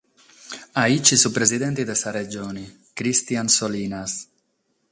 Gasi su presidente de sa Regione, Christian Solinas.